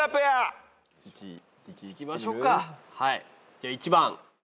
じゃあ１番。